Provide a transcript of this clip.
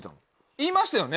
言いましたよね？